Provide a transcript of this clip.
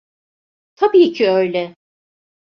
Tabii ki öyle.